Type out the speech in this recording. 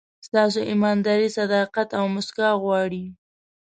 ستاسو ایمانداري، صداقت او موسکا غواړي.